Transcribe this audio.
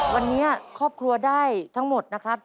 วันนี้ครอบครัวได้ทั้งหมดนะครับ